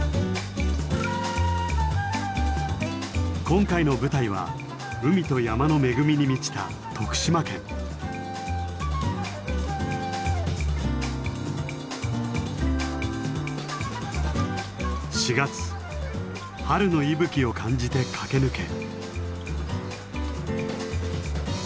今回の舞台は海と山の恵みに満ちた４月春の息吹を感じて駆け抜け。